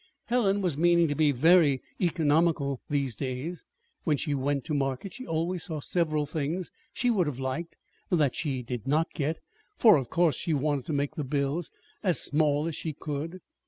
Helen was meaning to be very economical these days. When she went to market she always saw several things she would have liked, that she did not get, for of course she wanted to make the bills as small as she could.